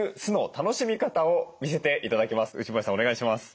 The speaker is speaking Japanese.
お願いします。